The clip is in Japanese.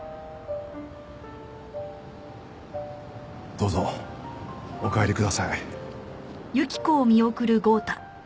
どうぞお帰りください。